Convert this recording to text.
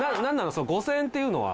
その５０００円っていうのは？